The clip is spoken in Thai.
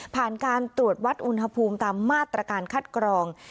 ผ่านการตรวจวัดอุณหภูมิตามมาตรการคัดกรอง